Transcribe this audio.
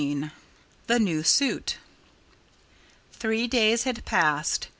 XIX THE NEW SUIT Three days had passed.